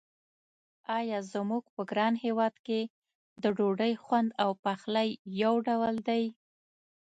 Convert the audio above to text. آیا زموږ په ګران هېواد کې د ډوډۍ خوند او پخلی یو ډول دی.